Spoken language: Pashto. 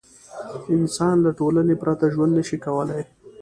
انسان له ټولنې پرته ژوند نه شي کولی.